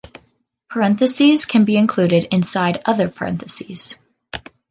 Parentheses can be included inside other parentheses.